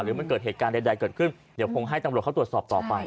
หรือมันเกิดเหตุการณ์ใดเกิดขึ้นเดี๋ยวคงให้ตำรวจเขาตรวจสอบต่อไป